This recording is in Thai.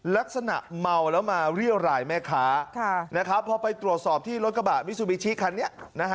ลักษณะเมาแล้วมาเรี่ยวหลายแม่ค้าพอไปตรวจสอบที่รถกระบาดมิสุบิตชี้คันนี้